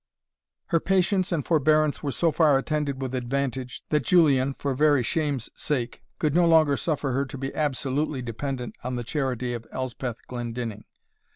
Her patience and forbearance were so far attended with advantage, that Julian, for very shame's sake, could no longer suffer her to be absolutely dependant on the charity of Elspeth Glendinning.